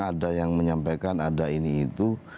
ada yang menyampaikan ada ini itu